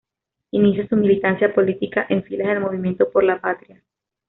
Inicia su militancia política en filas del Movimiento Por la Patria.